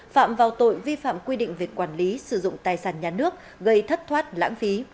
phạm vào tội vi phạm quy định về quản lý sử dụng tài sản nhà nước gây thất thoát lãng phí